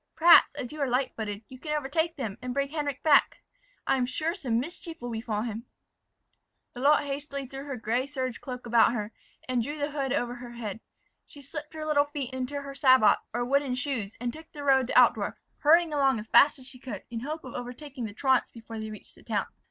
Perhaps, as you are light footed, you can overtake them, and bring Henric back. I am sure, some mischief will befall him." Lalotte hastily threw her gray serge cloak about her, and drew the hood over her head. She slipped her little feet into her sabots, or wooden shoes, and took the road to Altdorf, hurrying along as fast as she could, in hope of overtaking the truants before they reached the town.